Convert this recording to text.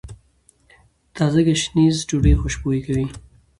تازه ګشنیز ډوډۍ خوشبويه کوي.